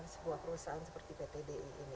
sebuah perusahaan seperti ptdi ini